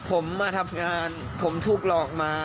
ผมมาทำงานผมถูกหลอกมา